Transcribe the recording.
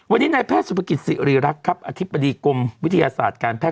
วันนี้นายแพทย์สุภกิจศิริรักษ์ครับอธิบดีกรมวิทยาศาสตร์การแพทย